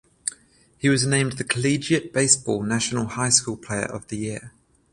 He was named the "Collegiate Baseball" National High School Player of the Year.